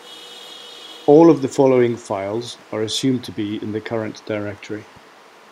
All of the following files are assumed to be in the current directory.